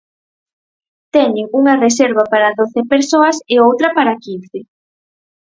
Teñen unha reserva para doce persoas e outra para quince.